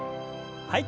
はい。